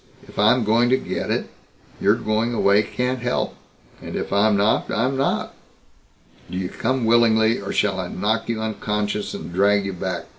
If I am going to get it, your going away can't help. And if I'm not, I'm not." "Do you come willingly or shall I knock you unconscious and drag you back?"